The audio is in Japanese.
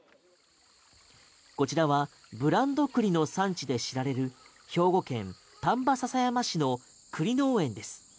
こちらはブランド栗の産地で知られる兵庫県丹波篠山市の栗農園です。